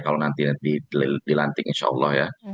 kalau nanti dilantik insya allah ya